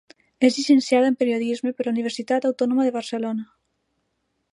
És llicenciada en periodisme per la Universitat Autònoma de Barcelona.